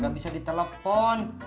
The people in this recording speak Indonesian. gak bisa di telfon